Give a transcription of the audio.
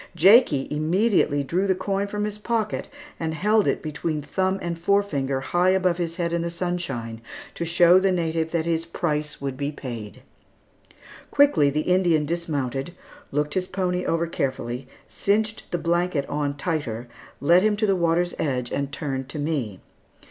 Jakie immediately drew the coin from his pocket and held it between thumb and forefinger, high above his head in the sunshine, to show the native that his price would be paid. Quickly the Indian dismounted, looked his pony over carefully, cinched the blanket on tighter, led him to the water's edge, and turned to me.